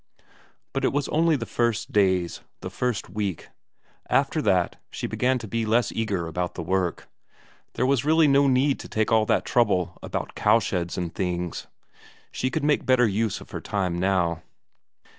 But it was only the first days, the first week; after that she began to be less eager about the work. There was really no need to take all that trouble about cowsheds and things; she could make better use of her time now.